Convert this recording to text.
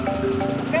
sekarang ke aspiring